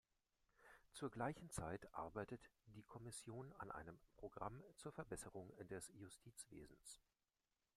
Zur gleichen Zeit arbeitet die Kommission an einem Programm zur Verbesserung des Justizwesens.